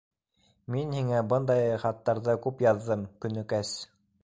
Мин һиңә бындай хаттарҙы күп яҙҙым, Көнөкәс!